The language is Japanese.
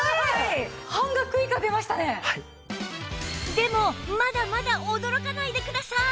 でもまだまだ驚かないでください！